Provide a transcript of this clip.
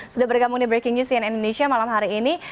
sudah bergabung di breaking news cnn indonesia malam hari ini